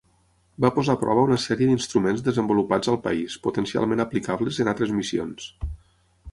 Va posar a prova una sèrie d'instruments desenvolupats al país, potencialment aplicables en altres Missions.